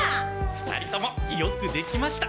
２人ともよくできました！